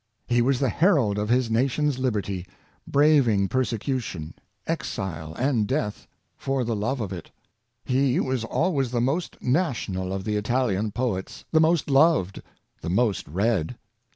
He was the herald of his nation's liberty — braving persecution, exile and death, for the love of it. He was always the most national of the Italian poets, the most loved, the most read.